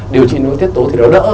điều trị nội tiết tố thì nó đỡ